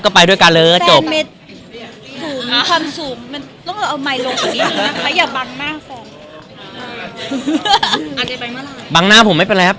แต่อย่าบังหน้าแฟน